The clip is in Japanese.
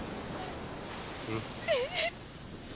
うん。